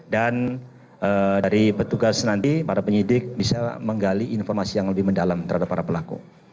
dan dari petugas nanti para penyidik bisa menggali informasi yang lebih mendalam terhadap para pelaku